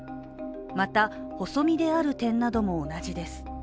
また、細身である点なども同じです。